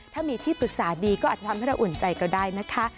ถ้ามีที่ปรึกษาดีก็อาจจะทำให้เราอุ่นใจก็ได้นะคะ